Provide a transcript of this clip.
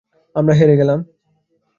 আমরা হেরে গেলাম।